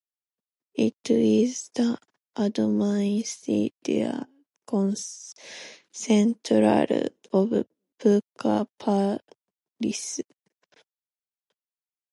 It is the administrative centre of Puka Parish.